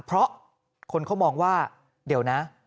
เพราะคนเขามองว่าเดี๋ยวนะ